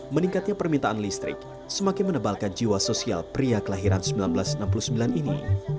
meningkatnya permintaan listrik semakin menebalkan jiwa sosial pria kelahiran seribu sembilan ratus enam puluh sembilan ini